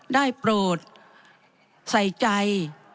ได้โปรดใส่ใจ